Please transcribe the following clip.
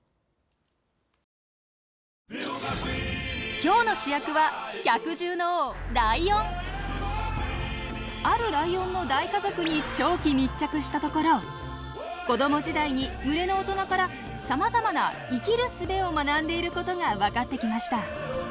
今日の主役はあるライオンの大家族に長期密着したところ子ども時代に群れの大人からさまざまな生きるすべを学んでいることが分かってきました。